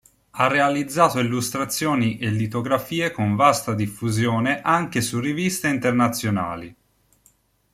Ha realizzato illustrazioni e litografie con vasta diffusione anche su riviste internazionali.